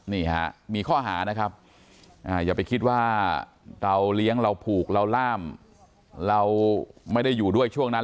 นี่ฮะมีข้อหานะครับอย่าไปคิดว่าเราเลี้ยงเราผูกเราล่ามเราไม่ได้อยู่ด้วยช่วงนั้น